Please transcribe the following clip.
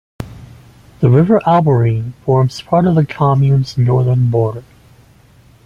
The river Albarine forms part of the commune's northern border.